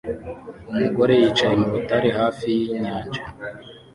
Umugore yicaye mu rutare hafi y'inyanja